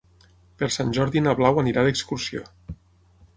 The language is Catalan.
Per Sant Jordi na Blau anirà d'excursió.